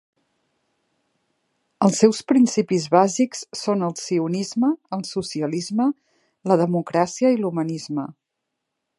Els seus principis bàsics són: el sionisme, el socialisme, la democràcia i l'humanisme.